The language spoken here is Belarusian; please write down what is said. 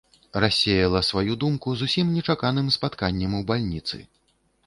Рассеяла сваю думку зусім нечаканым спатканнем у бальніцы.